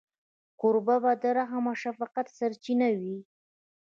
کوربه د رحم او شفقت سرچینه وي.